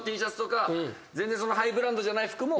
全然ハイブランドじゃない服も。